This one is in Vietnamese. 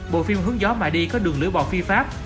bộ phim hướng gió mà đi có đường lưỡi bò phi pháp